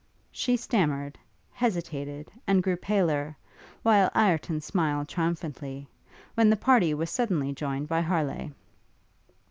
She stammered, hesitated, and grew paler, while Ireton smiled triumphantly, when the party was suddenly joined by Harleigh.